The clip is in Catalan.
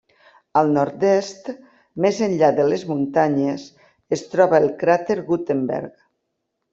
Al nord-est, més enllà de les muntanyes, es troba el cràter Gutenberg.